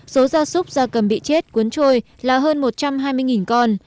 số gia súc gia cầm bị chết cuốn trôi là hơn một trăm hai mươi con